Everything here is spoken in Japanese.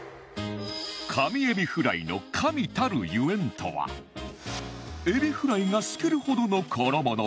神えびフライの「神」たるゆえんとはエビフライが透けるほどの衣の薄さ